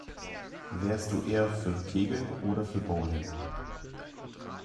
Wärst du eher für Kegeln oder für Bowling?